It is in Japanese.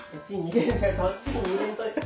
そっちに逃げんといて。